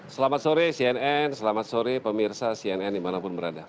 selamat sore cnn selamat sore pemirsa cnn dimanapun berada